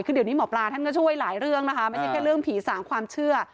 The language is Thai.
คือเดี๋ยวนี้หมอปลาท่านก็ช่วยหลายเรื่องนะคะไม่ใช่แค่เรื่องผีสางความเชื่อ